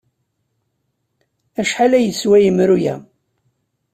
Acḥal ay yeswa yemru-a?